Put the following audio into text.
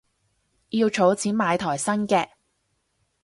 要儲錢買台新嘅